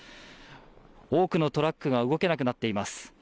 多くのトラックが動けなくなっています。